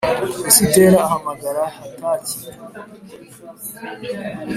esitera ahamagara hataki,